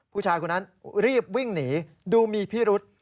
ผู้ชายคนนั้นรีบวิ่งหนีดูมีพิรุษ